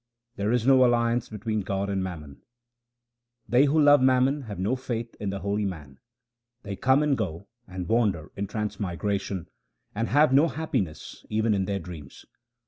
There is no alliance between God and mammon :— They who love mammon have no faith in the holy man. They come and go and wander in transmigration, and have no happiness even in their dreams.